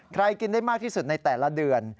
กินได้มากที่สุดในแต่ละเดือน